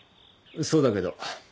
そうだけど。